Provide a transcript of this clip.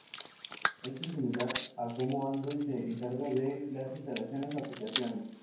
Esto es similar a cómo Android se encarga de las instalaciones de aplicaciones.